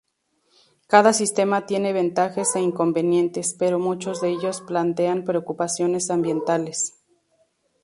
Cada sistema tiene ventajas e inconvenientes, pero muchos de ellos plantean preocupaciones ambientales.